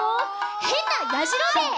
「へんなやじろべえ」